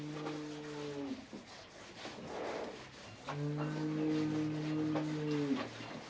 nonton golek semalam suntuk di rumah pak doktor